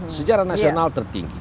sejarah nasional tertinggi